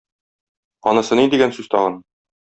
Анысы ни дигән сүз тагын?